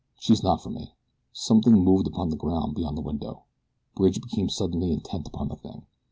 "She's not for me." Something moved upon the ground beyond the window. Bridge became suddenly intent upon the thing.